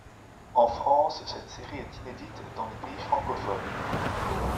En France cette série est inédite dans les pays francophones.